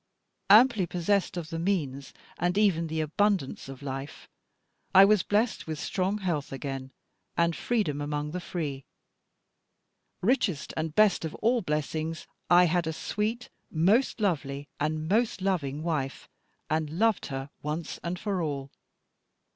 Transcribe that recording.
Amply possessed of the means, and even the abundance of life, I was blessed with strong health again, and freedom among the free. Richest and best of all blessings, I had a sweet, most lovely, and most loving wife, and loved her once and for all.